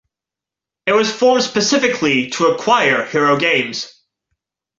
It was formed specifically to acquire Hero Games.